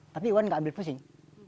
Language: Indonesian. tapi iwan tidak ambil pusing